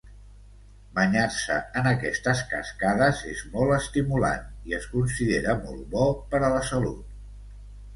Banyar-se en aquestes cascades és molt estimulant i es considera molt bo per a la salut.